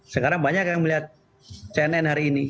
sekarang banyak yang melihat cnn hari ini